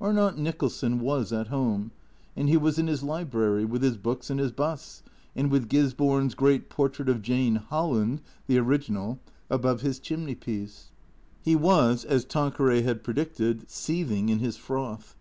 Arnott Nicholson was at home, and he was in his library, with his books and his busts, and with Gisborne's great portrait of Jane Holland (the original) above his chimney piece. He was, as Tanqueray had predicted, seething in his froth.